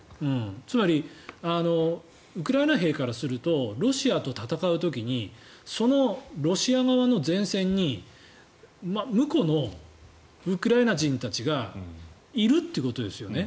つまりウクライナ兵からするとロシアと戦う時にそのロシア側の前線に無このウクライナ人たちがいるということですよね。